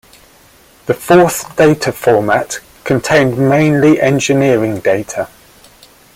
The fourth data format contained mainly engineering data.